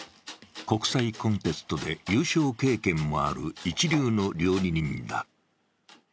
国際コンテストで優勝経験もある一流の料理人だ。